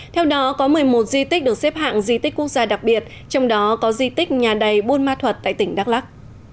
theo đó có một mươi một di tích được xếp hạng di tích quốc gia đặc biệt trong đó có di tích nhà đầy buôn ma thuật tại tỉnh đắk lắc